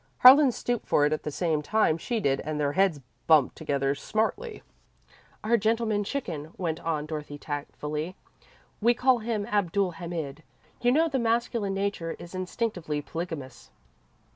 Harlan stooped for it at the same time she did and their heads bumped together smartly. "Our gentleman chicken," went on Dorothy, tactfully. "We call him 'Abdul Hamid.' You know the masculine nature is instinctively polygamous."